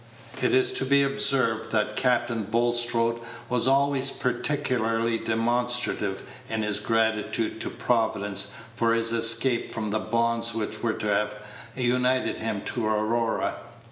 It is to be observed that Captain Bulstrode was always peculiarly demonstrative in his gratitude to Providence for his escape from the bonds which were to have united him to Aurora.